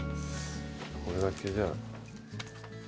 これだけじゃあ。